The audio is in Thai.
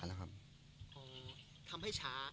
ทำให้ช้า